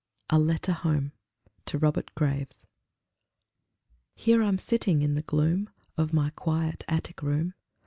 A LETTER HOME (To Robert Graves) I Here I'm sitting in the gloom Of my quiet attic room.